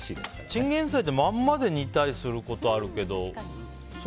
チンゲンサイってまんまで煮たりすることあるけど。